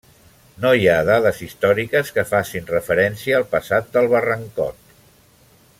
No hi ha dades històriques que facin referència al passat del Barrancot.